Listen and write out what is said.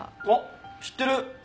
あっ知ってる！